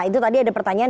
itu tadi ada pertanyaan